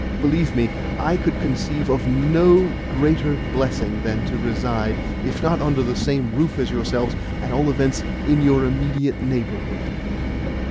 Believe me, I could conceive of no greater blessing than to reside, if not under the same roof as yourselves, at all events in your immediate neighbourhood."